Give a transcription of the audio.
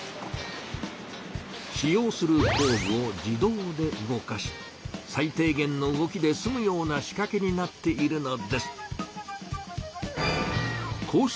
使用する工具を自動で動かし最低げんの動きですむような仕掛けになっているのです。